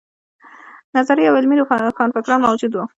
نظري او عملي روښانفکران موجود وو.